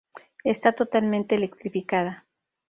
Está totalmente electrificada.